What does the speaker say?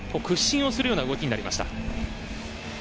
屈伸をするような動きになりました。